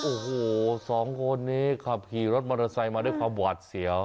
โอ้โหสองคนนี้ขับขี่รถมอเตอร์ไซค์มาด้วยความหวาดเสียว